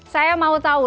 saya mau tahu